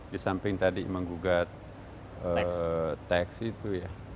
di samping tadi menggugat teks itu ya